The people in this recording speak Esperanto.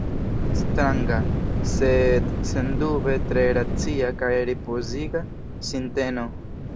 Stranga, sed sendube tre racia kaj ripoziga sinteno.